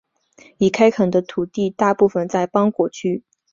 已开垦的土地大部分在邦果区。